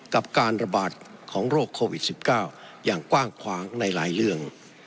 กับการระบาดของโรคโควิด๑๙อย่างกว้างขวางในหลายเรื่อง